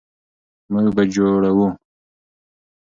موږ به جوړوو.